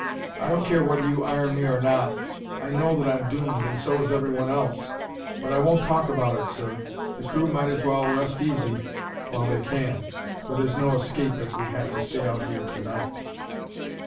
I don't care whether you iron me or not; I know that I'm doomed and so is everyone else; but I won't talk about it, sir. The crew might as well rest easy while they can, for there's no escape if we have to stay out here to night.'